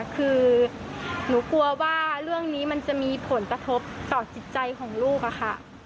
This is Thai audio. คือหนูกลัวว่าเรื่องนี้มันจะมีผลกระทบต่อจิตใจของลูกค่ะ